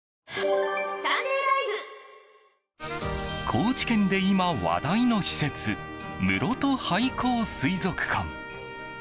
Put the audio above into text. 高知県で今話題の施設むろと廃校水族館。